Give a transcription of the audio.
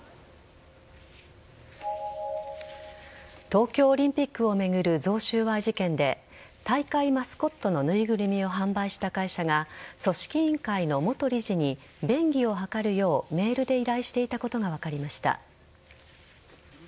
東京オリンピックを巡る贈収賄事件で大会マスコットのぬいぐるみを販売した会社が組織委員会の元理事に便宜を図るようメールで依頼していたことが分かりました。